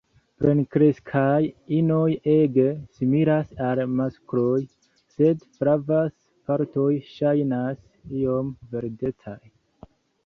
Plenkreskaj inoj ege similas al maskloj, sed flavaj partoj ŝajnas iom verdecaj.